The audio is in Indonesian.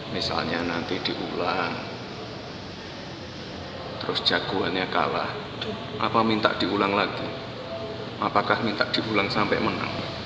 misalnya nanti diulang terus jagoannya kalah apa minta diulang lagi apakah minta diulang sampai menang